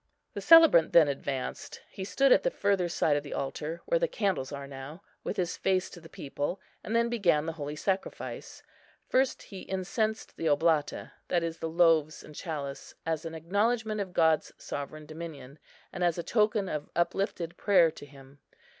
The celebrant then advanced: he stood at the further side of the altar, where the candles are now, with his face to the people, and then began the holy sacrifice. First he incensed the oblata, that is, the loaves and chalice, as an acknowledgment of God's sovereign dominion, and as a token of uplifted prayer to Him.